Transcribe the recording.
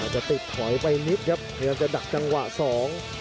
จะติดถอยไปนิดครับพยายามจะดักจังหวะสอง